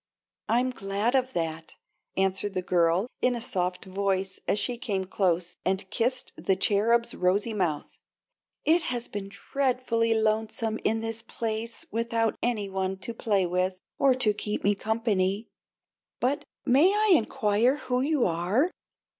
"I'm glad of that," answered the girl, in a soft voice, as she came close and kissed the Cherub's rosy mouth. "It has been dreadfully lonesome in this place without any one to play with or to keep me company. But may I inquire who you are?"